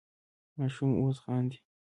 ماشوم اوس خاندي.